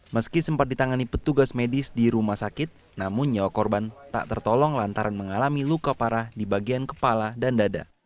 meski sempat ditangani petugas medis di rumah sakit namun nyawa korban tak tertolong lantaran mengalami luka parah di bagian kepala dan dada